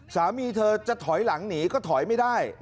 สามีเธอจะถอยหลังหนีก็ถอยไม่ได้